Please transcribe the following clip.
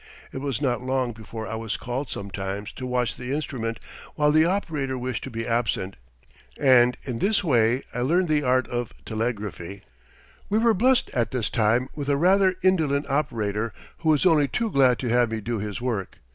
It was not long before I was called sometimes to watch the instrument, while the operator wished to be absent, and in this way I learned the art of telegraphy. We were blessed at this time with a rather indolent operator, who was only too glad to have me do his work.